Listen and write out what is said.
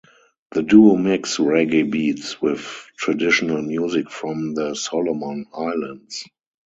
The duo mix reggae beats with traditional music from the Solomon Islands.